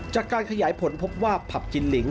จากการขยายผลพบว่าผับจินลิง